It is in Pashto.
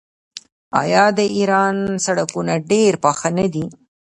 آیا د ایران سړکونه ډیر پاخه نه دي؟